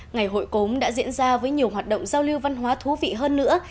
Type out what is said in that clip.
ngày hội cốm đã diễn ra với nhiều hoạt động giao lưu văn hóa thú vị hơn nữa